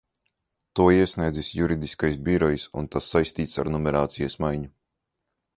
To iesniedzis Juridiskais birojs, un tas saistīts ar numerācijas maiņu.